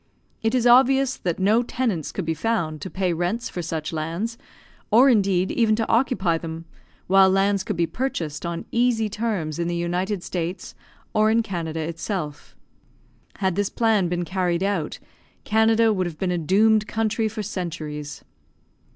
It is obvious that no tenants could be found to pay rents for such lands, or indeed even to occupy them, while lands could be purchased on easy terms in the United States, or in Canada itself. Had this plan been carried out, Canada would have been a doomed country for centuries.